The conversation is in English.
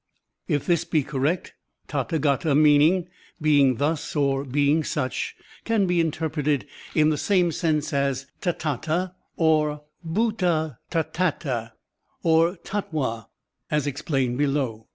If this be correct, TathSgata meaning "being thus," or "being such," can be interpreted in the same sense as Tathatd or BhAtatathdtd or Tattva as explained below.